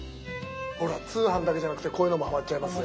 ほら通販だけじゃなくてこういうのもはまっちゃいますよ。